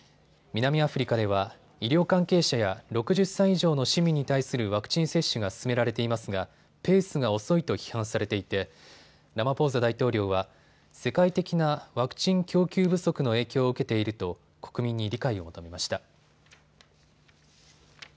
南アフリカでは医療関係者や６０歳以上の市民に対するワクチン接種が進められていますがペースが遅いと批判されていてラマポーザ大統領は世界的なワクチン供給不足の影響を受けていると国民に理解を求めました。